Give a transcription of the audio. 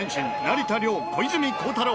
成田凌小泉孝太郎